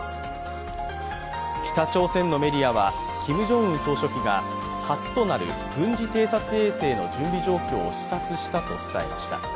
北朝鮮のメディアは、キム・ジョンウン総書記が初となる軍事偵察衛星の準備状況を視察したと伝えました。